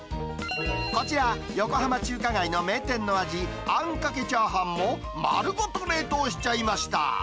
こちら、横浜中華街の名店の味、あんかけチャーハンも、丸ごと冷凍しちゃいました。